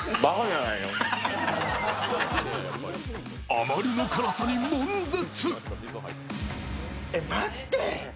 あまりの辛さにもん絶。